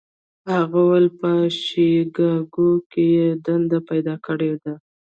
هغه وویل په شیکاګو کې یې دنده پیدا کړې ده.